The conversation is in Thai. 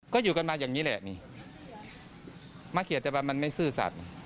ก็อยู่กันมาอย่างนี้แหละนี่มาเขียนแต่ว่ามันไม่ซื่อสัตว์